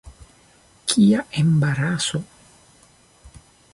Kia embaraso!